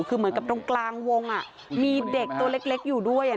คือเหมือนกับตรงกลางวงมีเด็กตัวเล็กอยู่ด้วย